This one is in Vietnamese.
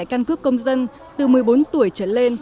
căn cước công dân từ một mươi bốn tuổi trở lên